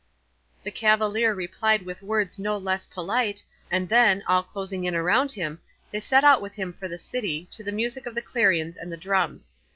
The cavalier replied with words no less polite, and then, all closing in around him, they set out with him for the city, to the music of the clarions and the drums.